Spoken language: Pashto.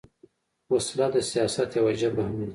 وسله د سیاست یوه ژبه هم ده